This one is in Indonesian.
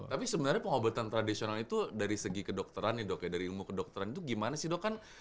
tapi sebenarnya pengobatan tradisional itu dari segi kedokteran nih dok ya dari ilmu kedokteran itu gimana sih dok kan